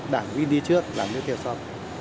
đảng viên đi trước đảng viên theo sau